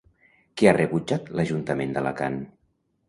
Què ha rebutjat l'Ajuntament d'Alacant?